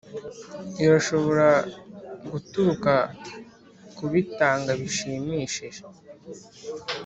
irashobora guturuka kubitanga bishimishije.